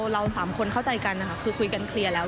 เราสามคนเข้าใจกันนะคะคือคุยกันเคลียร์แล้ว